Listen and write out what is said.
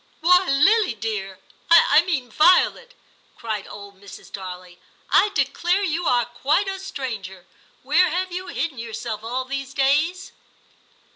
* Why, Lily dear, — I mean Violet !' cried old Mrs. Darley, * I declare you are quite a stranger ; where have you hidden yourself all these days